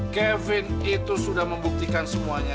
kevin itu sudah membuktikan semuanya